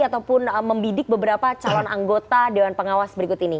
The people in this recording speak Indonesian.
ataupun membidik beberapa calon anggota dewan pengawas berikut ini